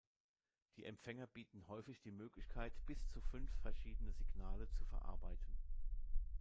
Die Empfänger bieten häufig die Möglichkeit bis zu fünf verschiedene Signale zu verarbeiten.